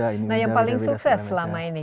yang di india beda nah yang paling sukses selama ini